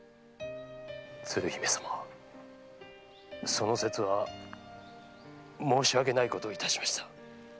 その節は申し訳ないことをいたしました。